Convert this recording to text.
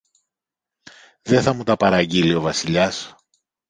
Δε θα μου τα παραγγείλει ο Βασιλιάς